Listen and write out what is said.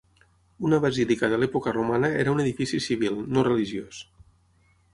Una basílica de l'època romana era un edifici civil, no religiós.